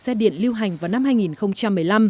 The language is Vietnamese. xe điện lưu hành vào năm hai nghìn một mươi năm